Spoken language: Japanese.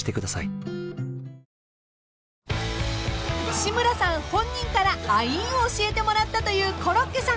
［志村さん本人からアイーンを教えてもらったというコロッケさん］